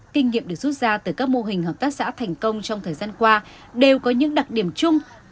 kinh nghiệm được rút ra từ các mô hình hợp tác xã thành công trong thời gian qua đều có những đặc điểm chung